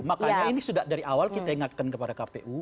makanya ini sudah dari awal kita ingatkan kepada kpu